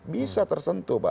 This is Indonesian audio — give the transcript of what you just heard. bisa tersentuh pak